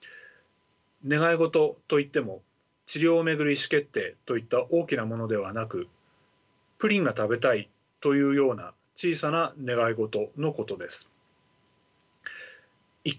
願い事といっても「治療を巡る意思決定」といった大きなものではなく「プリンが食べたい」というような小さな願い事のことです。